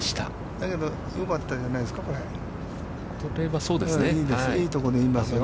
だけど、よかったじゃないですか、これ。